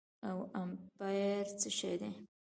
او امپير څه شي دي